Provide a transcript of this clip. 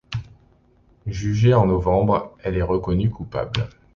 Jugée en novembre, elle est reconnue coupable.